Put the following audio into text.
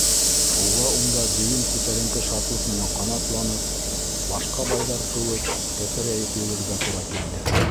Уға унда дөйөм күтәренке шатлыҡ менән ҡанатланып, башҡа байҙар кеүек, кәперәйеп йөрөргә тура килде.